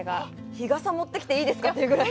「日傘持ってきていいですか？」っていうぐらい。